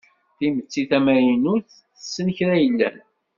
Timetti tamaynut tessen kra yellan.